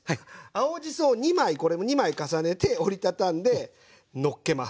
青じそを２枚これも２枚重ねて折り畳んでのっけます。